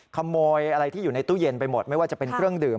ขโมยอะไรที่อยู่ในตู้เย็นไปหมดไม่ว่าจะเป็นเครื่องดื่ม